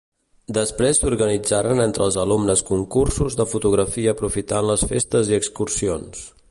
Després s'organitzaren entre els alumnes concursos de fotografia aprofitant les festes i excursions.